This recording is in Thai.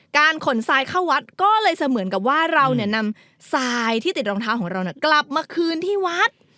ขนทรายเข้าวัดก็เลยเสมือนกับว่าเรานำทรายที่ติดรองเท้าของเรากลับมาคืนที่วัด